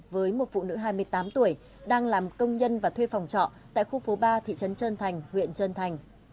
với một phụ nữ hai mươi tám tuổi đang làm công nhân và thuê phòng trọ tại khu phố ba thị trấn trơn thành huyện trơn thành